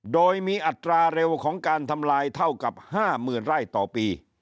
โดยมีอัตราเร็วของการทำลายเท่ากับ๕๐๐๐ไร่ต่อปี